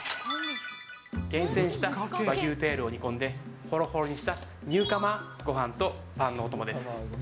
厳選した和牛テールを煮込んで、ほろほろにしたニューカマーごはんとパンのお供です。